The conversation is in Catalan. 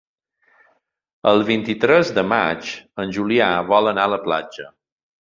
El vint-i-tres de maig en Julià vol anar a la platja.